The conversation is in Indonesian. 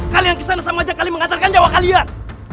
kalian kesana sama aja kali mengatakan jawab kalian